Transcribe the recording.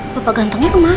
bapak gantongnya kemana